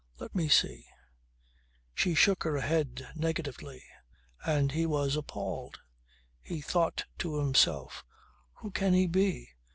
Let me see " She shook her head negatively. And he was appalled. He thought to himself: Who can he be?